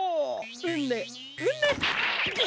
うねうね。